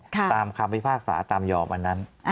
ตามคำพิพากษาตามยอมอันนั้น